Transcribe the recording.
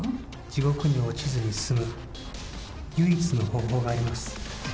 地獄に落ちずに済む、唯一の方法があります。